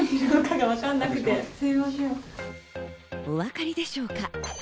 おわかりでしょうか。